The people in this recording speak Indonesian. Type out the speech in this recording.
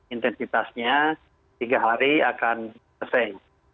intensitasnya tiga hari akan selesai